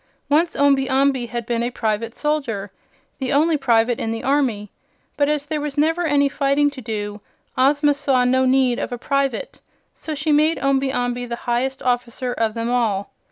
Once Omby Amby had been a private soldier the only private in the army but as there was never any fighting to do Ozma saw no need of a private, so she made Omby Amby the highest officer of them all.